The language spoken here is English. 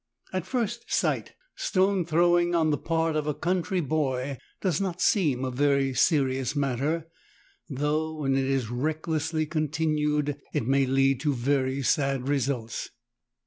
At first sight, stone thr owing on the part of a country i6o boy does not seem a very serious matter, though when it is recklessly continued it may lead to very sad results.